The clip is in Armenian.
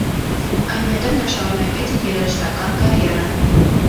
Այնուհետև նա շարունակեց իր երաժշտական կարիերան։